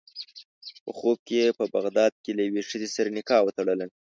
په خوب کې یې په بغداد کې له یوې ښځې سره نکاح وتړله.